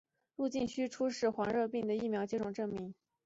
入境须出示黄热病的疫苗接种证明。